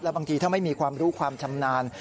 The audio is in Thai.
บางทีถ้าไม่มีความรู้ความชำนาญ